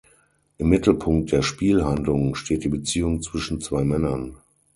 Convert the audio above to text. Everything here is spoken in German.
Im Mittelpunkt der Spielhandlung steht die Beziehung zwischen zwei Männern.